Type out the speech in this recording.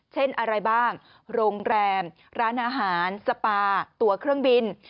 เช่นอะไรบ้างโรงแรมร้านอาหารสปาตัวเครื่องบิน